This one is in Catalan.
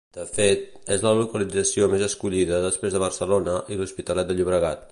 De fet, és la localització més escollida després de Barcelona i l'Hospitalet de Llobregat.